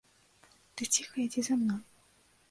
Ты ціха ідзі за мной.